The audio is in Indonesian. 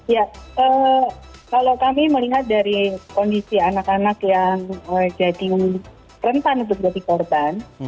ya kalau kami melihat dari kondisi anak anak yang jadi rentan untuk jadi korban